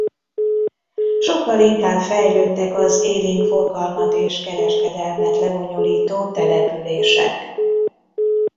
Sokkal inkább fejlődtek az élénk forgalmat és kereskedelmet lebonyolító települések.